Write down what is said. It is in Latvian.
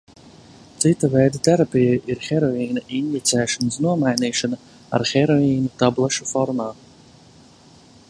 Cita veida terapija ir heroīna injicēšanas nomainīšana ar heroīnu tablešu formā.